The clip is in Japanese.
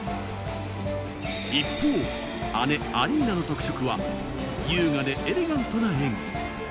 一方、姉・アリーナの特色は優雅でエレガントな演技。